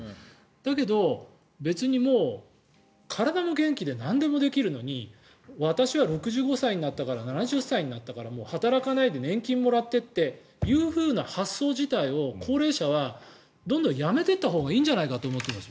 だけど、別に体も元気でなんでもできるのに私は６５歳になったから７０歳になったから働かないで年金もらってという発想自体を高齢者はどんどんやめていったほうがいいんじゃないかと思っています。